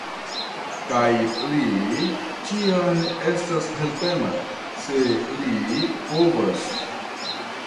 Kaj li ĉiam estas helpema, se li povas.